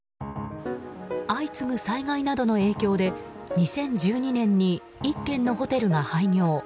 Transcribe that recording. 相次ぐ災害などの影響で２０１２年に１軒のホテルが廃業。